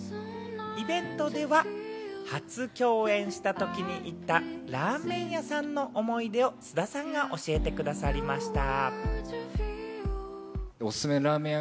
イベントでは初共演した時に行ったラーメン屋さんの思い出を菅田さんが教えてくださいました。